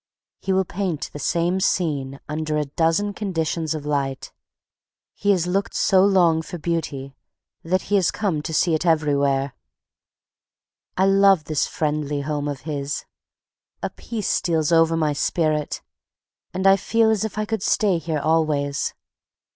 He will paint the same scene under a dozen conditions of light. He has looked so long for Beauty that he has come to see it everywhere. I love this friendly home of his. A peace steals over my spirit, and I feel as if I could stay here always.